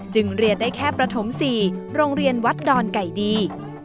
เรียนได้แค่ประถม๔โรงเรียนวัดดอนไก่ดี